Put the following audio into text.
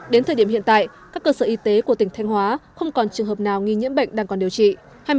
đến thời điểm hiện tại các cơ sở y tế của tỉnh thanh hóa không còn trường hợp nào nghi nhiễm bệnh đang còn điều trị